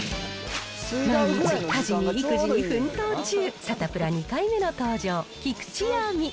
毎日、家事に育児に奮闘中、サタプラ２回目の登場、菊地亜美。